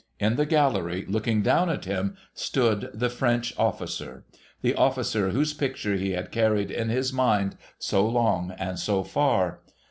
In the gallery, looking down at him, stood the French officer — the officer whose picture he had carried in his mind so long and so far.